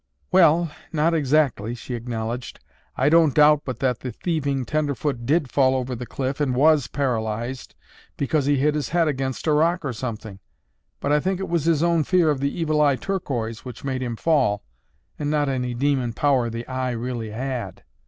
"Well, not exactly," she acknowledged. "I don't doubt but that the thieving tenderfoot did fall over the cliff and was paralyzed, because he hit his head against a rock or something, but I think it was his own fear of the Evil Eye Turquoise which made him fall and not any demon power the eye really had."